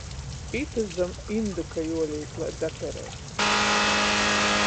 Itys zam indyka juolīk, lai daperej.